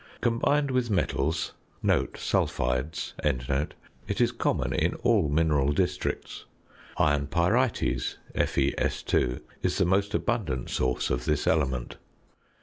Combined with metals (sulphides), it is common in all mineral districts. Iron pyrites (FeS_) is the most abundant source of this element.